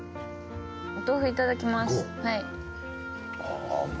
お豆腐いただきます。